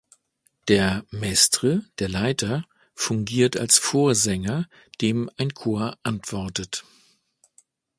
Der "mestre", der Leiter, fungiert als Vorsänger, dem ein Chor antwortet.